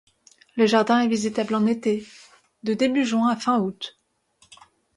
Le jardin est visitable en été, de début juin à fin août.